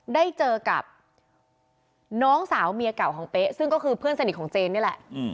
ได้เจอกับน้องสาวเมียเก่าของเป๊ะซึ่งก็คือเพื่อนสนิทของเจนนี่แหละ